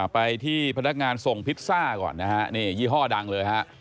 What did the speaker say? ไปที่พนักงานส่งพิซซ่าก่อนนะฮะนี่ยี่ห้อดังเลยฮะ